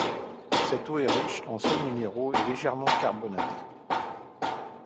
Cette eau est riche en sels minéraux et est légèrement carbonatée.